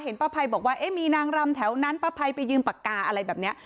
เห็นประภัยบอกว่ามีนางรำแถวนั้นประภัยไปยืมปากกาอะไรแบบเนี้ย